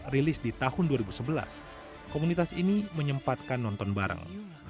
rilis di tahun dua ribu sebelas komunitas ini menyempatkan nonton bareng